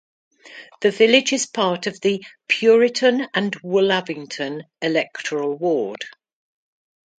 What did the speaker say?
The village is part of the 'Puriton and Woolavington' electoral ward.